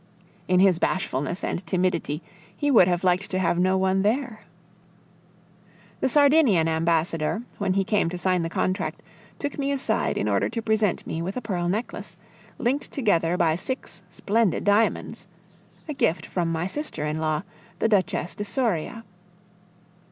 In his bashfulness and timidity he would have liked to have no one there. The Sardinian ambassador, when he came to sign the contract, took me aside in order to present me with a pearl necklace, linked together by six splendid diamonds a gift from my sister in law, the Duchess de Soria.